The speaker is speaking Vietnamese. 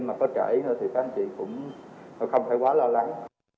cho nên việc tiêm có chảy thì các anh chị cũng không phải quá lo lắng